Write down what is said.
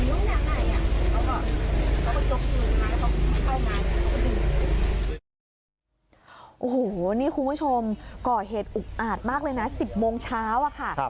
โอ้โหนี่คุณผู้ชมก่อเหตุอุกอาจมากเลยนะ๑๐โมงเช้าอะค่ะ